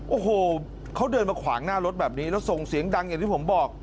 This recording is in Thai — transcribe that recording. โอ้โหเขาเดินมาขวางหน้ารถแบบนี้แล้วส่งเสียงดังอย่างที่ผมบอก